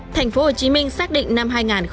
thành phố hồ chí minh xác định năm hai nghìn một mươi chín